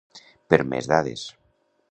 Per més dades.